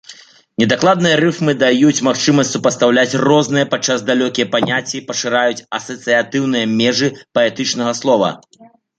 Недакладныя рыфмы даюць магчымасць супастаўляць розныя, падчас далёкія паняцці, пашыраюць асацыятыўныя межы паэтычнага слова.